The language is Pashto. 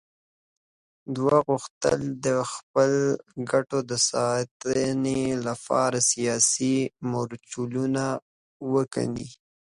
دوی غوښتل د خپلو ګټو د ساتنې لپاره سیاسي مورچلونه وکیني.